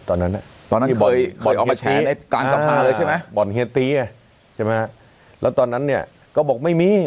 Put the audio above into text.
ตอนนั้นเคยออกมาแชร์ในการสภาเลยใช่ไหมบ่อนเฮียตี้แล้วตอนนั้นเนี่ยก็บอกไม่มี